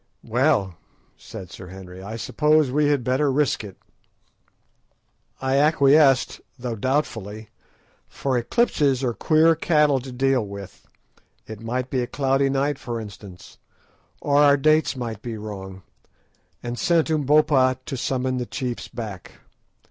"Well," said Sir Henry, "I suppose we had better risk it." I acquiesced, though doubtfully, for eclipses are queer cattle to deal with—it might be a cloudy night, for instance, or our dates might be wrong—and sent Umbopa to summon the chiefs back.